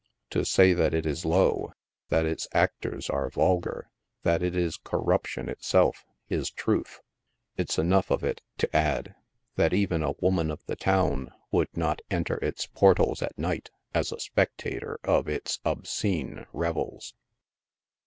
To say that it is low, that its actors are vulgar, that it is corruption itself, is truth. It's enough of it to add, that even a woman of the town would not enter its portals at night as a spectator of its obsence revels.